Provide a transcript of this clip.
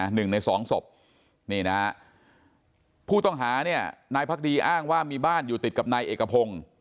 หนึ่งในสองศพนี่นะฮะผู้ต้องหาเนี่ยนายพักดีอ้างว่ามีบ้านอยู่ติดกับนายเอกพงศ์